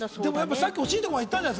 さっき惜しいところまでいったんじゃない？